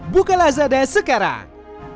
bukalah lazada sekarang